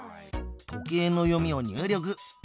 時計の読みを入力。